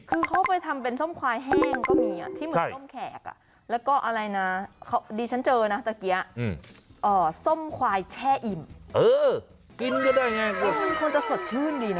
แช่อิ่มเออกินก็ได้ไงมันคงจะสดชื่นดีเนอะ